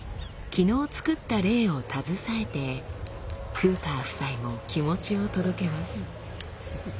昨日作ったレイを携えてクーパー夫妻も気持ちを届けます。